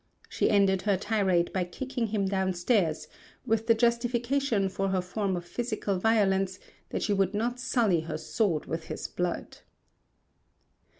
She ended her tirade by kicking him downstairs, with the justification for her form of physical violence that she would not sully her sword with his blood.